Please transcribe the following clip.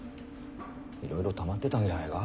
いろいろたまってたんじゃないか？